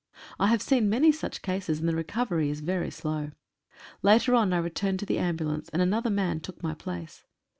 I have seen many such cases, and the recovery is very slow. Later on I returned to the ambulance, and another man took my place.